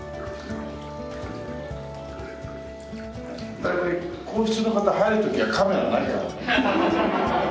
大体皇室の方入る時はカメラないからね。